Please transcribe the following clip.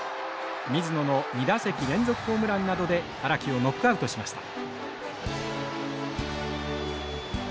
水野の２打席連続ホームランなどで荒木をノックアウトしました。